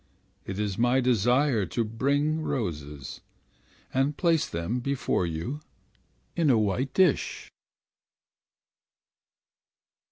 It is my desire To bring roses. And place them before you In a white dish.